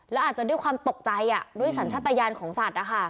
แล้วอาจจะด้วยความตกใจด้วยสัญชาติยานของสัตว์